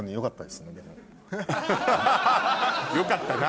よかったな。